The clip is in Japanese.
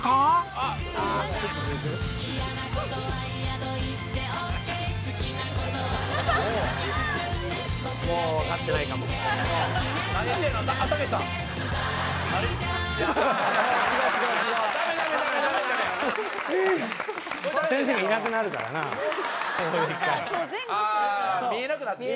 ああ見えなくなって。